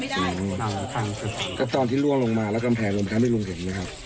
ก็นั่งนั่งนั่งตอนที่ล่วงลงมาแล้วกำแพงลงไปทำให้ลุงเห็นไหมครับ